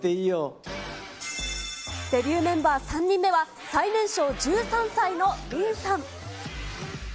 デビューメンバー３人目は最年少、１３歳のリンさん。